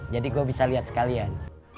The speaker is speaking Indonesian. jadi gua bisa liat sekalian